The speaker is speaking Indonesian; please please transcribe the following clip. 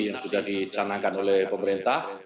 yang sudah dicanangkan oleh pemerintah